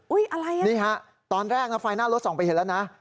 อุ๊ยอะไรน่ะนี่ครับตอนแรกไฟหน้ารถส่องไปเห็นแล้วนะ